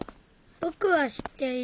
ぼくは知っている。